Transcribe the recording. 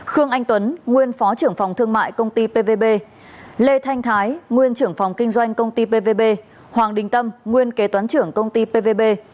hai khương anh tuấn nguyên phó trưởng phòng thương mại công ty pvb lê thanh thái nguyên trưởng phòng kinh doanh công ty pvb hoàng đình tâm nguyên kế toán trưởng công ty pvb